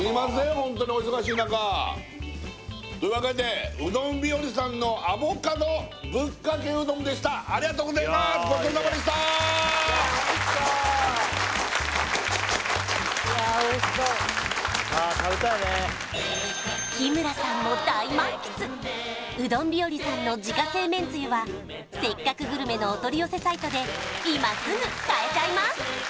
ホントにお忙しい中というわけでうどん日和さんのアボカドぶっかけうどんでしたありがとうございまーす日村さんも大満喫うどん日和さんの自家製めんつゆは「せっかくグルメ！！」のお取り寄せサイトで今すぐ買えちゃいます